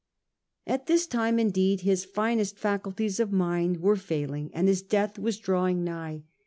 At this time indeed his finest faculties of mind were failing, and his death was drawing nigh.